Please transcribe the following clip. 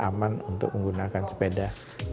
akan lebih aman untuk menggunakan sepeda